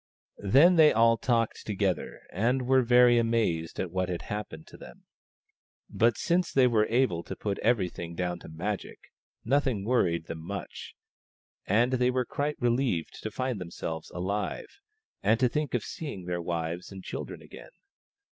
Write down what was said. Then they all talked together, and were very amazed at what had happened to them ; but since they were able to put everything down to Magic, nothing worried them much, and they were quite relieved to find themselves alive, 42 THE STONE AXE OF BURKAMUKK and to think of seeing their wives and children again.